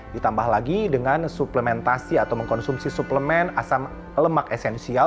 ditambah lagi dengan suplementasi atau mengkonsumsi suplemen asam lemak esensial